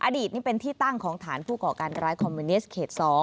อดีตนี่เป็นที่ตั้งของฐานผู้ก่อการร้ายคอมมิวนิสต์เขต๒